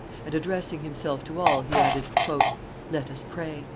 and addressing himself to all, he added, "Let us pray!"